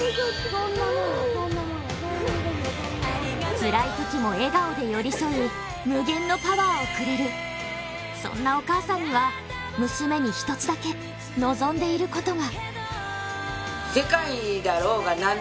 つらいときも笑顔で寄り添い、無限のパワーをくれる、そんなお母さんには娘に一つだけ望んでいることが。